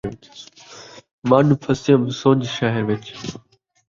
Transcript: ونج پھسیم سنج شھر وچ